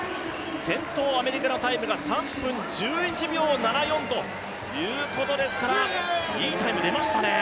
先頭アメリカのタイムが３分１１秒７４ということですからいいタイム出ましたね。